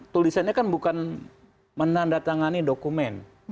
tulisannya kan bukan menandatangani dokumen